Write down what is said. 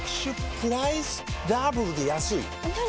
プライスダブルで安いＮｏ！